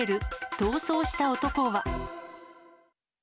逃走した男は。